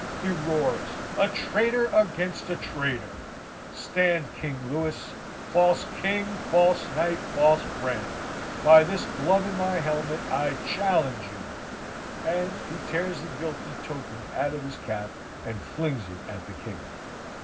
he roars. "A traitor against a traitor! Stand, King Louis! False King, false knight, false friend by this glove in my helmet, I challenge you!" And he tears the guilty token out of his cap, and flings it at the King.